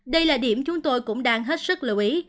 đây là điểm chúng tôi cũng đang hết sức lưu ý